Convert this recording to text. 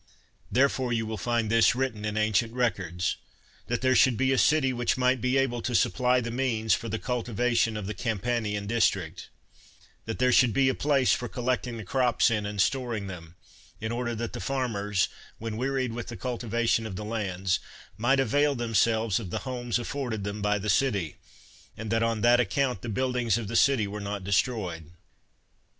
Therefore, you will find this written in ancient records : that there should be a city which might be able to supply the means for the cultivation of the Campanian dis trict; that there should be a place for collecting the crops in and storing them, in order that the farmers, when wearied with the cultivation of 86 CICERO the lands, might avail themselves of the homes afforded them by the city; and that on that acconnt the buildings of the city were not de stroyed.